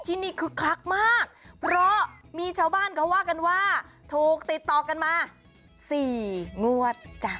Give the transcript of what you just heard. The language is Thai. นี่คือคลักมากเพราะมีชาวบ้านเขาว่ากันว่าถูกติดต่อกันมาสี่งวดจ้ะ